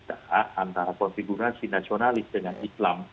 antara konfigurasi nasionalis dengan islam